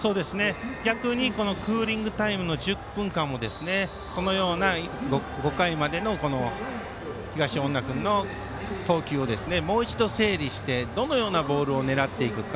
逆にクーリングタイムの１０分間もそのような５回までの東恩納君の投球をもう一度、整理してどのようなボールを狙っていくか。